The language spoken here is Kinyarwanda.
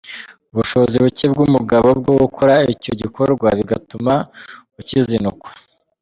Ubushobozi bucye bw’umugabo bwo gukora icyo gikorwa bigatuma ukizinukwa.